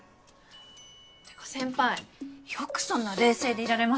ってか先輩よくそんな冷静でいられますね。